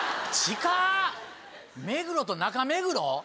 目黒と中目黒？